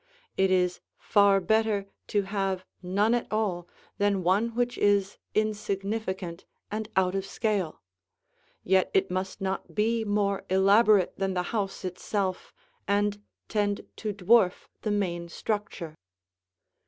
It is far better to have none at all than one which is insignificant and out of scale; yet it must not be more elaborate than the house itself and tend to dwarf the main structure.